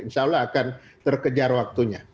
alhamdulillah akan terkejar waktunya